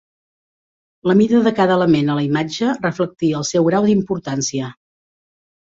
La mida de cada element a la imatge reflectia el seu grau d'importància.